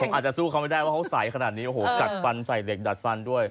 ผมจะสู้เขาไม่ได้เขาใสขนาดนี้จะดัดฟันด้วย